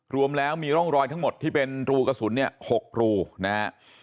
รวมแล้วมีร่องรอยทั้งหมดที่เป็นรูกระสุนเนี่ย๖รูนะฮะ